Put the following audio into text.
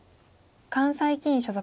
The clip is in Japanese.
関西棋院所属。